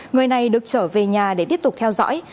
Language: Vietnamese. người này được trở về nhà để tiếp tục theo dõi